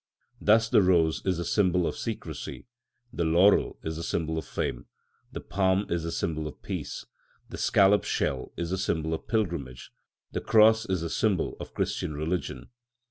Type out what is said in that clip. Thus the rose is the symbol of secrecy, the laurel is the symbol of fame, the palm is the symbol of peace, the scallop shell is the symbol of pilgrimage, the cross is the symbol of the Christian religion.